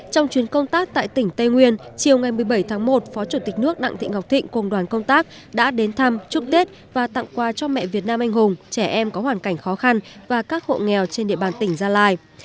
trong chuyến công tác tại tỉnh tây nguyên chiều ngày một mươi bảy tháng một phó chủ tịch nước đặng thị ngọc thịnh cùng đoàn công tác đã đến thăm chúc tết và tặng quà cho mẹ việt nam anh hùng trẻ em có hoàn cảnh khó khăn và các hộ nghèo trên địa bàn tỉnh gia lai